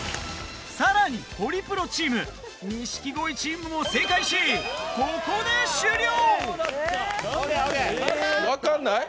さらにホリプロチーム錦鯉チームも正解しここで終了分かんない？